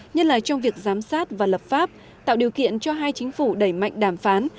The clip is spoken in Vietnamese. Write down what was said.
nhất là trong việc giám sát và lập pháp tạo điều kiện cho hai chính phủ đẩy mạnh đàm phán